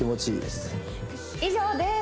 以上です